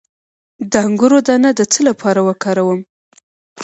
د انګور دانه د څه لپاره وکاروم؟